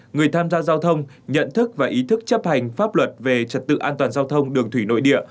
người tham gia giao thông nhận thức và ý thức chấp hành pháp luật về trật tự an toàn giao thông đường thủy nội địa